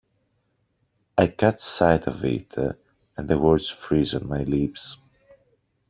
I catch sight of it, and the words freeze on my lips.